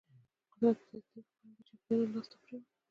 قدرت په زیاتېدونکي بڼه د چپیانو لاس ته پرېوت.